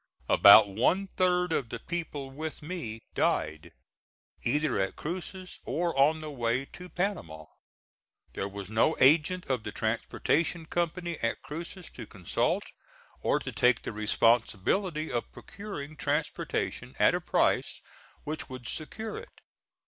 About one third of the people with me died, either at Cruces or on the way to Panama. There was no agent of the transportation company at Cruces to consult, or to take the responsibility of procuring transportation at a price which would secure it.